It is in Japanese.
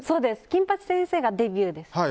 「金八先生」がデビューです。